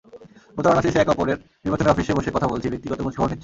প্রচারণা শেষে একে অপরের নির্বাচনী অফিসে বসে কথা বলছি, ব্যক্তিগত খোঁজখবর নিচ্ছি।